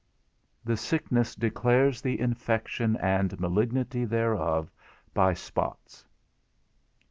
_The sickness declares the infection and malignity thereof by spots.